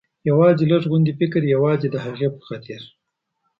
یوازې لږ غوندې فکر، یوازې د هغې په خاطر.